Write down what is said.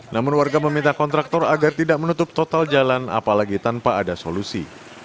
namun warga meminta kontraktor agar tidak menutup total jalan apalagi tanpa ada solusi